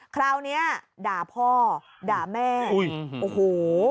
คราวนี้ด่าพ่อด่าแม่อุ้ยโอ้โห